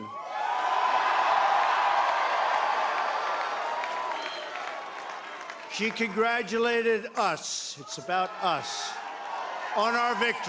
dia mengucapkan kebahagiaan kepada kita ini tentang kita